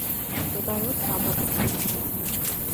მდებარეობს აბაკოს კუნძულებზე.